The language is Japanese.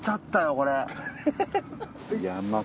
これ。